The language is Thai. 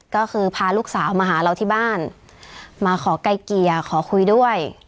ก็คือพาลูกสาวมาหาเราที่บ้านมาขอไกลเกลี่ยขอคุยด้วย